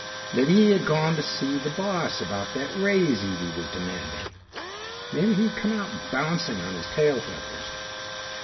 Maybe he had gone to see the boss about that raise Ede was demanding. Maybe he'd come out bouncing on his tail feathers.